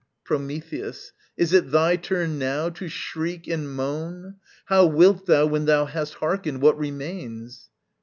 Prometheus. Is 't thy turn, now, to shriek and moan? How wilt thou, when thou hast hearkened what remains?